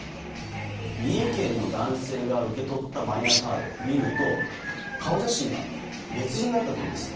三重県の男性が受け取ったマイナカードを見ると、顔写真が別人だったというんです。